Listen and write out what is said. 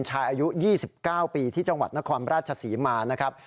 อายุ๒๙ปีที่จังหวัดนครราชศรีมานะครับ